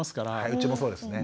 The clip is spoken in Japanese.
うちもそうですね。